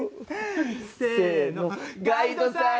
せーのガイドさん